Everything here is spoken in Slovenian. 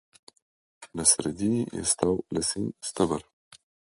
Na sredini je stal lesen steber.